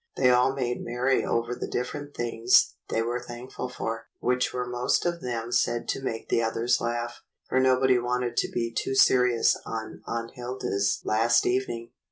They all made merry over the different things they THE THANKSGIVING CANDLE 141 were thankful for, which were most of them said to make the others laugh, for nobody wanted to be too serious on Aunt Hilda's last evening.